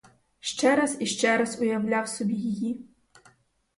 Ще раз і ще раз уявляв собі її.